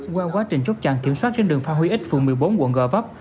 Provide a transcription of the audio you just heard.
qua quá trình chốt chặn kiểm soát trên đường pha huy x phường một mươi bốn quận gò vấp